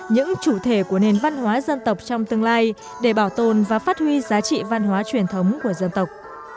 những chủ thể của nền văn hóa dân tộc trong tương lai để bảo tồn và phát huy giá trị văn hóa truyền thống của dân tộc